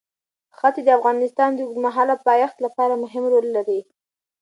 ښتې د افغانستان د اوږدمهاله پایښت لپاره مهم رول لري.